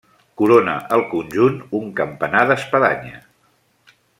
Corona el conjunt un campanar d'espadanya.